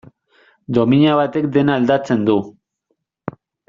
Domina batek dena aldatzen du.